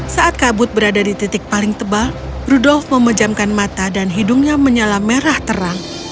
saat kabut berada di titik paling tebal rudolf memejamkan mata dan hidungnya menyala merah terang